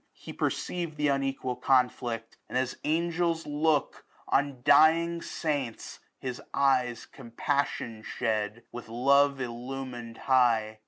He perceiv'd Th' unequal conflict, and as angels look On dying saints, his eyes compaflTion shed. With love illumin'd high.